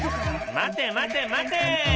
待て待て待て。